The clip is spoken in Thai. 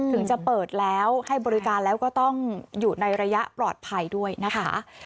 ถึงจะเปิดแล้วให้บริการแล้วก็ต้องอยู่ในระยะปลอดภัยด้วยนะคะ